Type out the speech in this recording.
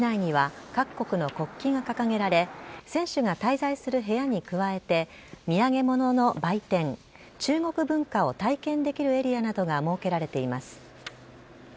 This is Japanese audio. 敷地内には各国の国旗が掲げられ選手が滞在する部屋に加えて土産物の売店中国文化を体験できるエリアなどが設けられています。